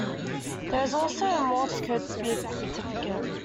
There is also a Morse Code speed certificate.